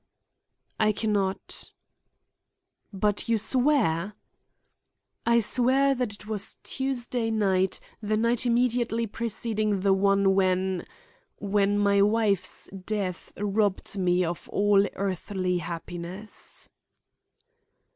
"I can not." "But you swear—" "I swear that it was Tuesday night, the night immediately preceding the one when—when my wife's death robbed me of all earthly happiness."